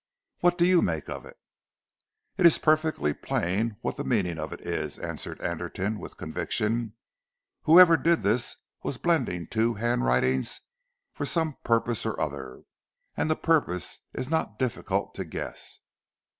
What do you make of it?" "It is perfectly plain what the meaning of it is," answered Anderton with conviction. "Whoever did this was blending two handwritings for some purpose or other, and the purpose is not difficult to guess."